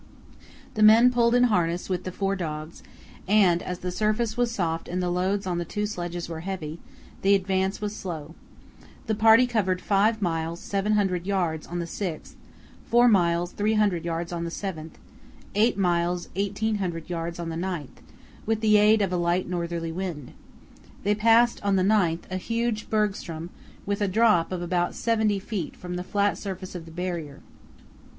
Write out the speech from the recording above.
The men pulled in harness with the four dogs, and, as the surface was soft and the loads on the two sledges were heavy, the advance was slow. The party covered 5 miles 700 yards on the 6th, 4 miles 300 yards on the 7th, and 8 miles 1800 yards on the 9th, with the aid of a light northerly wind. They passed on the 9th a huge bergstrom, with a drop of about 70 feet from the flat surface of the Barrier.